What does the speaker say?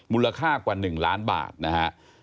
มูลค่ากว่า๑ล้านบาทนะฮะ